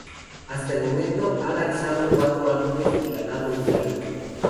Hasta el momento ha lanzado cuatro álbumes y ganado un Grammy.